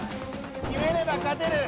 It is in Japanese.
決めれば勝てる！